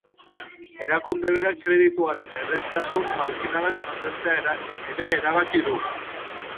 Erakunde berak kredituaren erraztasun marginalak mantentzea ere erabaki du.